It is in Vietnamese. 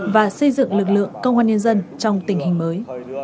và xây dựng lực lượng công an nhân dân trong tình hình mới